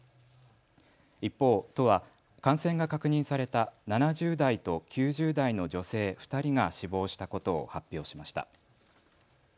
一方、都は感染が確認された７０代と９０代の女性２人が死亡したことを発表しました。